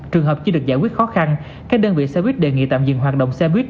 trường hợp chưa được giải quyết khó khăn các đơn vị xe buýt đề nghị tạm dừng hoạt động xe buýt